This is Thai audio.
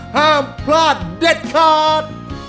ห้ามพลาดเด็ดขาด